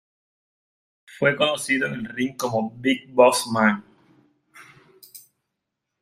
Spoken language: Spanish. Fue conocido en el ring como Big Boss Man.